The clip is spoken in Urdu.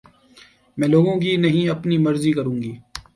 میں لوگوں کی نہیں اپنی مرضی کروں گی